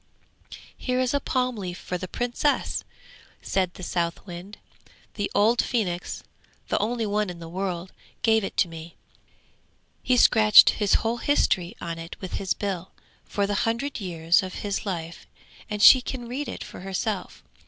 'Here is a palm leaf for the Princess!' said the Southwind. 'The old phoenix, the only one in the world, gave it to me. He has scratched his whole history on it with his bill, for the hundred years of his life, and she can read it for herself.